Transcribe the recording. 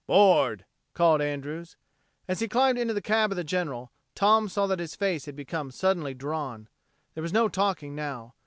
"'Board," called Andrews. As he climbed into the cab of the General, Tom saw that his face had become suddenly drawn. There was no talking now.